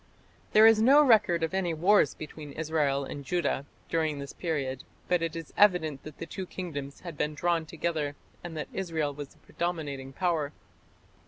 " There is no record of any wars between Israel and Judah during this period, but it is evident that the two kingdoms had been drawn together and that Israel was the predominating power.